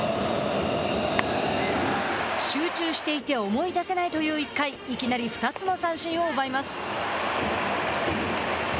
集中していて思い出せないという１回いきなり２つの三振を奪います。